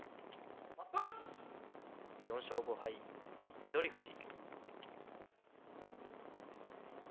４勝５敗、翠富士。